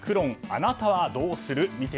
あなたはどうする？